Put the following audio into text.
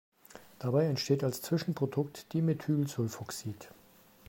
Dabei entsteht als Zwischenprodukt Dimethylsulfoxid.